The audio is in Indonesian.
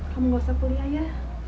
kamu gak usah kuliah ya